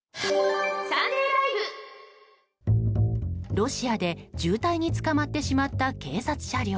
ロシアで渋滞につかまってしまった警察車両。